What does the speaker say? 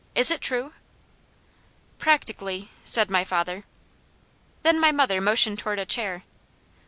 Is it true?" "Practically," said my father. Then my mother motioned toward a chair.